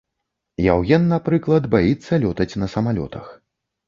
Яўген, напрыклад, баіцца лётаць на самалётах.